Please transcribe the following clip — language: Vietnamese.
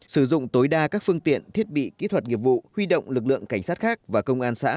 sử dụng tối đa các phương tiện thiết bị kỹ thuật nghiệp vụ huy động lực lượng cảnh sát khác và công an xã